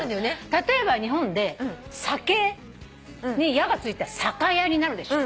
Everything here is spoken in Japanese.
例えば日本で「酒」に「屋」がついたら「さかや」になるでしょ？